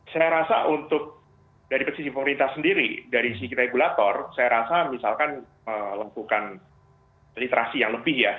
saya rasa untuk dari sisi pemerintah sendiri dari sisi regulator saya rasa misalkan melakukan literasi yang lebih ya